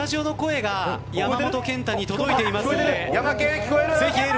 スタジオの声が山本賢太に届いておりますので。